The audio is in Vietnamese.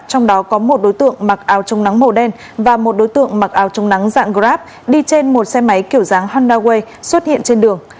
trong đó có một đối tượng mặc áo trông nắng màu đen và một đối tượng mặc áo trông nắng dạng grab đi trên một xe máy kiểu dáng honda way xuất hiện trên đường